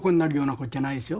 こっちゃないですよ。